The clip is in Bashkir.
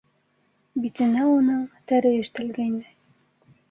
Битенә уның... тәре эштәлгәйне.